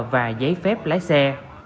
và giấy phép lái xe